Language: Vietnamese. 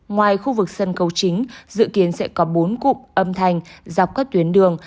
ngoài khu vực sân khấu chính dự kiến sẽ có bốn cụm âm thanh dọc các tuyến đường